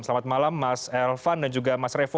selamat malam mas elvan dan juga mas revo